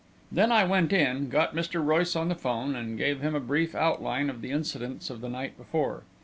Then I went in, got Mr. Royce on the 'phone, and give him a brief outline of the incidents of the night before.